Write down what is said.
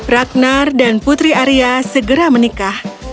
ragnar dan putri arya segera menikah